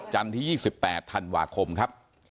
จันทร์ที่ยี่สิบแปดธันวาคมครับ